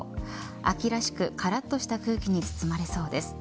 秋らしく、からっとした空気に包まれそうです。